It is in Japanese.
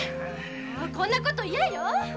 もうこんなこと嫌よ！